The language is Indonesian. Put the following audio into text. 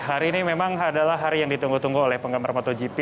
hari ini memang adalah hari yang ditunggu tunggu oleh penggemar motogp